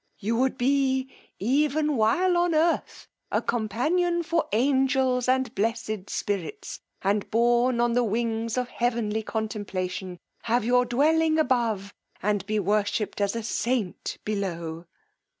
you would be, even while on earth, a companion for angels and blessed spirits, and borne on the wings of heavenly contemplation, have your dwelling above, and be worshipped as a saint below.